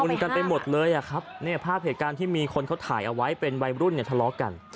กันไปหมดเลยอะครับเนี่ยภาพเหตุการณ์ที่มีคนเขาถ่ายเอาไว้เป็นวัยรุ่นเนี่ยทะเลาะกัน